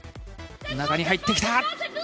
中に入ってきた！